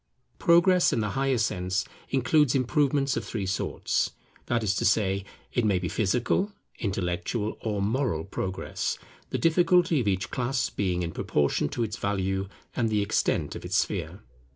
Progress in the higher sense includes improvements of three sorts; that is to say, it may be Physical, Intellectual, or Moral progress; the difficulty of each class being in proportion to its value and the extent of its sphere.